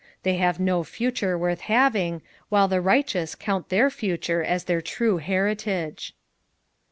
They have no future worth having, while the righteous count their future as their true heritage.